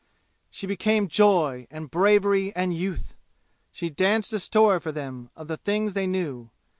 She became joy and bravery and youth! She danced a story for them of the things they knew.